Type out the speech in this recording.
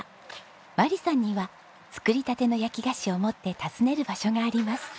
眞理さんには作りたての焼き菓子を持って訪ねる場所があります。